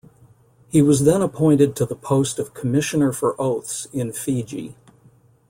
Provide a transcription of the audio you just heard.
He was then appointed to the post of Commissioner for Oaths in Fiji.